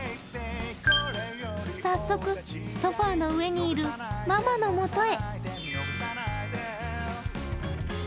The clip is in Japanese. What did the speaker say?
早速、ソファーの上にいるママのもとへ。